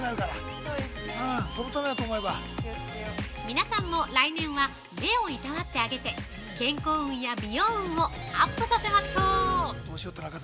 皆さんも来年は目を労ってあげて健康運や美容運をアップさせましょう。